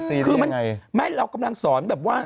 คือมันไม่เรากำลังสอนแบบว่า